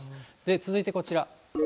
続いてこちら。